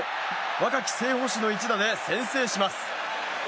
若き正捕手の一打で先制します。